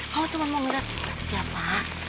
mama cuma mau liat siapa